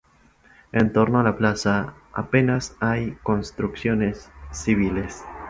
En torno a la plaza apenas hay construcciones civiles.